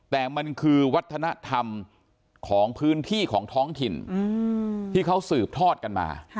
แต่มันคือวัฒนธรรมของพื้นที่ของท้องถิ่นที่เขาสืบทอดกันมา